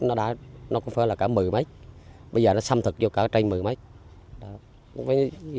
nó cũng phải là cả mười mấy bây giờ nó xâm thực vô cả trên mười mấy